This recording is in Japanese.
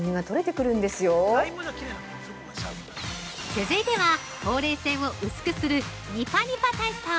◆続いては、ほうれい線を薄くするニパニパ体操。